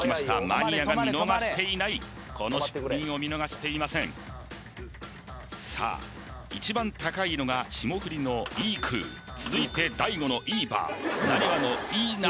マニアが見逃していないこの出品を見逃していませんさあ一番高いのが霜降りのイイク続いて大悟のイイバなにわのイイナ